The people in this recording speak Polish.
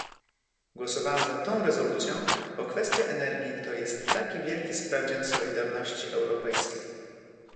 Głosowałem za tą rezolucją, bo kwestia energii to jest taki wielki sprawdzian solidarności europejskiej